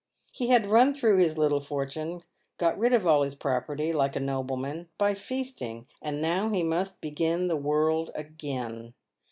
He had run through his little fortune, got rid of all his property, like a nobleman, by feasting, and now he must begin the world again.